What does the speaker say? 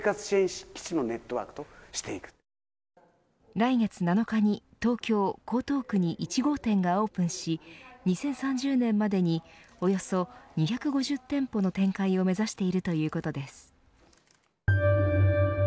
来月７日に東京・江東区に１号店がオープンし２０３０年までにおよそ２５０店舗の展開を目指しているということです。